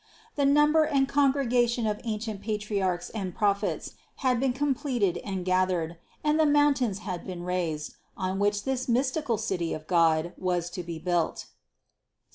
The number and congregation of ancient Patriarchs and Prophets had been completed and gathered, and the mountains had been raised, on which this mystical City of God was to be built (Ps.